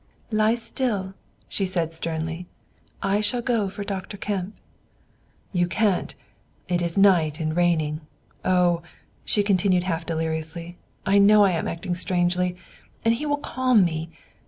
"Lie still," she said sternly; "I shall go for Dr. Kemp." "You can't; it is night and raining. Oh," she continued, half deliriously, "I know I am acting strangely, and he will calm me.